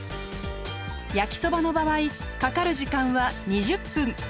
焼きそばの場合かかる時間は２０分。